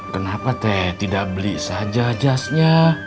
kenapa teh tidak beli saja jasnya